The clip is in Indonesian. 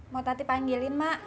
mau tati panggilin mak